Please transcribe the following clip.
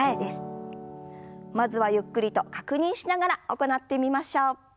まずはゆっくりと確認しながら行ってみましょう。